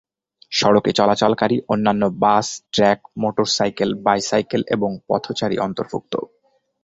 সড়কে চলাচলকারী অন্যান্য বাস, ট্রাক, মোটরসাইকেল, বাইসাইকেল এবং পথচারী অন্তর্ভুক্ত।